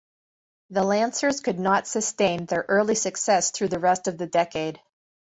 The Lancers could not sustain their early success through the rest of the decade.